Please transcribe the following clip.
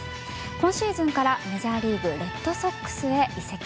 今シーズンからメジャーリーグレッドソックスへ移籍。